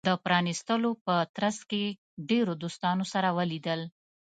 د پرانېستلو په ترڅ کې ډیرو دوستانو سره ولیدل.